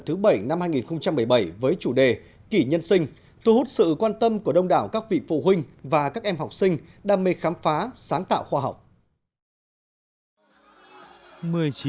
thứ bảy năm hai nghìn một mươi bảy với chủ đề kỷ nhân sinh thu hút sự quan tâm của đông đảo các vị phụ huynh và các em học sinh đam mê khám phá sáng tạo khoa học